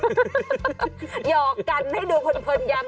หยอกกันให้ดูพนยัง